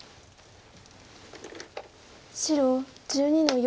白１２の四。